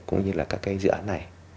cũng như là các cái dự án này